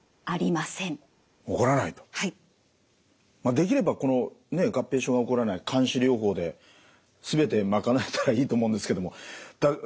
できればこの合併症が起こらない監視療法で全て賄えたらいいと思うんですけどもそういうわけにはいかないんですよね？